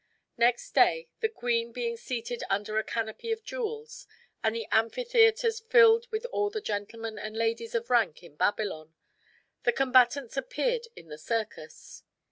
Next day, the queen being seated under a canopy of jewels, and the amphitheaters filled with all the gentlemen and ladies of rank in Babylon, the combatants appeared in the circus.